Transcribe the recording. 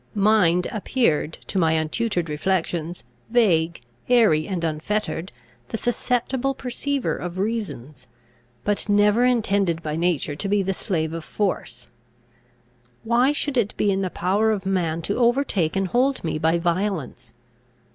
Mind appeared, to my untutored reflections, vague, airy, and unfettered, the susceptible perceiver of reasons, but never intended by nature to be the slave of force. Why should it be in the power of man to overtake and hold me by violence?